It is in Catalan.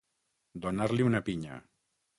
Donar-li una pinya.